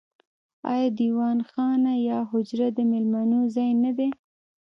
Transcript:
آیا دیوان خانه یا حجره د میلمنو ځای نه دی؟